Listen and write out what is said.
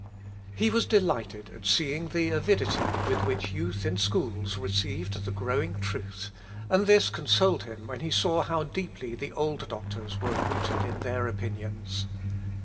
He was delighted at seeing the avidity with which youth in schools received the growing truth; and this consoled him when he saw how deeply the old doctors were rooted in their opinions.